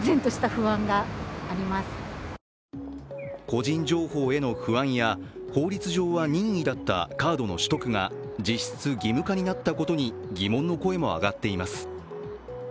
個人情報への不安や法律上は任意だったカードの取得が実質義務化になったことに疑問の声も上がっています。